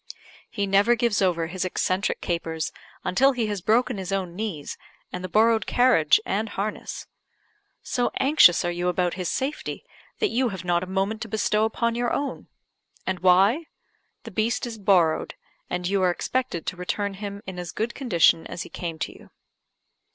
He never gives over his eccentric capers until he has broken his own knees, and the borrowed carriage and harness. So anxious are you about his safety, that you have not a moment to bestow upon your own. And why? the beast is borrowed, and you are expected to return him in as good condition as he came to you.